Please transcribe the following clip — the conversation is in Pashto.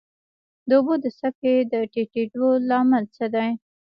د اوبو د سطحې د ټیټیدو لامل څه دی؟